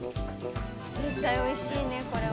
絶対美味しいねこれは。